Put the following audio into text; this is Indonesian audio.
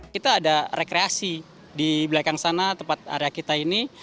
kita ada rekreasi di belakang sana tempat area kita ini